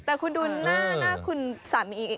แต่คุณดูหน้าคุณสามีอีก